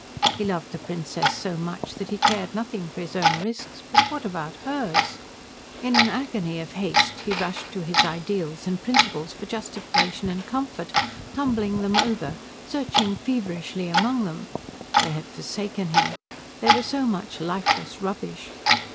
He loved the Princess so much that he cared nothing for his own risks, but what about hers? In an agony of haste he rushed to his ideals and principles for justification and comfort, tumbling them over, searching feverishly among them. They had forsaken him. They were so much lifeless rubbish.